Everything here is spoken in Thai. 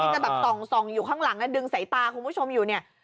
มีกระดับส่องอยู่ข้างหลังดึงใส่ตาคุณผู้ชมอยู่เนี่ย